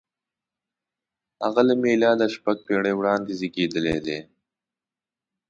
• هغه له مېلاده شپږ پېړۍ وړاندې زېږېدلی دی.